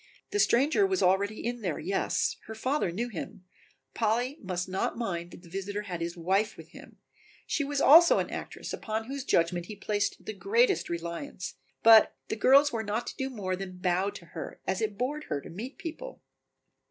"The stranger was already in there, yes, her father knew him, Polly must not mind that the visitor had his wife with him, she was also an actress upon whose judgment he placed the greatest reliance, but the girls were not to do more than bow to her, as it bored her to meet people."